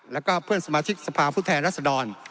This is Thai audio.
และก็เพื่อนสมาธิกสภาพุทธแทนรัฐศดร